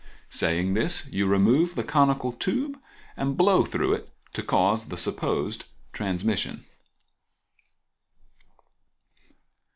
Saying this, you remove the conical tube and blow through it to cause the supposed transmission.